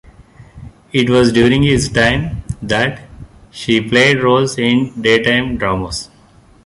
It was during this time that she played roles in daytime dramas.